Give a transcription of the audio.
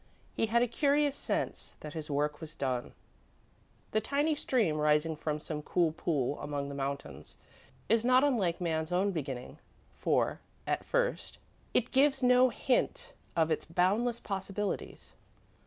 He had a curious sense that his work was done. The tiny stream, rising from some cool pool among the mountains, is not unlike man's own beginning, for, at first, it gives no hint of its boundless possibilities.